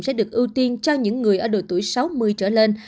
sẽ được ưu tiên cho những người ở đội tuổi sáu mươi trở lên